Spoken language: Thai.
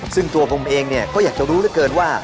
ซึ่งตัวผมเองเนี่ยก็อยากจะรู้เหลือเกินว่า